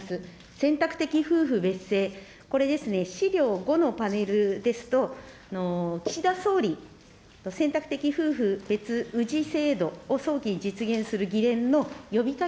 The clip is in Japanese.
選択的夫婦別姓、これですね、資料５のパネルですと、岸田総理、選択的夫婦別氏制度を早期実現する議連の呼びかけ